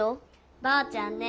ばあちゃんね